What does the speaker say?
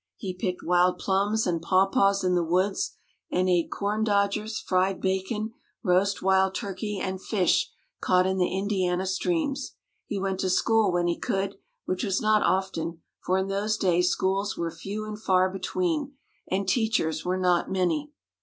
He picked wild plums and pawpaws in the woods, and ate corn dodgers, fried bacon, roast wild turkey, and fish caught in the Indiana streams. He went to school when he could, which was not often, for in those days schools were few and far between, and teachers were not many.